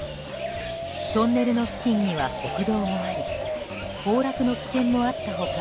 トンネルの付近には国道もあり崩落の危険もあった他